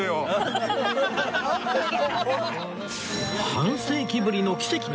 半世紀ぶりの奇跡の再会